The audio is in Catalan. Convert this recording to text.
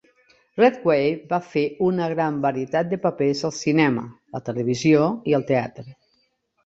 Redgrave va fer una gran varietat de papers al cinema, la televisió i el teatre.